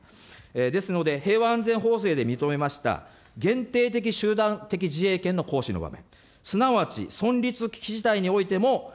ですので、平和安全法制で認めました限定的自衛権の行使の場面。